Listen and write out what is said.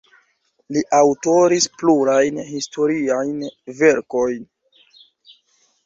Li aŭtoris plurajn historiajn verkojn.